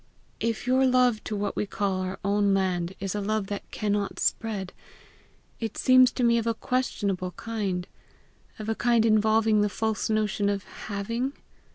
"If your love to what we call our own land is a love that cannot spread, it seems to me of a questionable kind of a kind involving the false notion of HAVING?